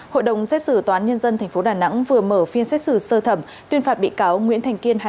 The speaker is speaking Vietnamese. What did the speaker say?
hội đồng xét xử toán nhân dân tp đà nẵng vừa mở phiên xét xử sơ thẩm tuyên phạt bị cáo nguyễn thành kiên